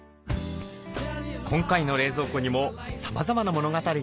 今回の冷蔵庫にもさまざまな物語がありました。